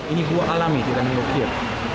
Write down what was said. ini buah alami di dalam nukir